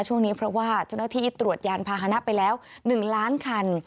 ช่วงนี้เพราะว่าเจ้าหน้าที่ตรวจยานพาหนะไปแล้ว๑ล้านคัน